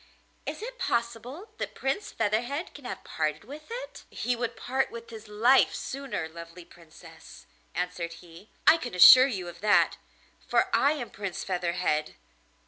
'Is it possible that Prince Featherhead can have parted with it?' 'He would part with his life sooner, lovely Princess,' answered he; 'I can assure you of that, for I am Prince Featherhead.